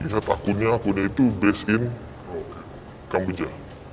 lihat akunnya akunnya itu based in kamboja